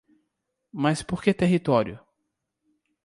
Mas por que território?